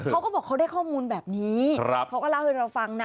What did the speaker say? เขาก็บอกเขาได้ข้อมูลแบบนี้เขาก็เล่าให้เราฟังนะ